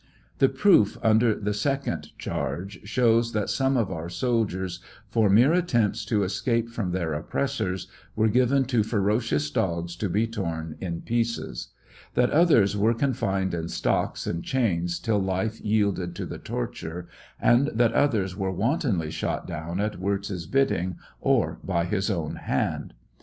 The proof under the second charge shows that some of our soldiers, for mere attempts to escape from their oppressors, were given to ferocious dogs to be torn in pieces ; that others were confined in stocks and chains till life yielded to the torture, and that others were wantonly shot down at Wirz's bidding or by his own hand.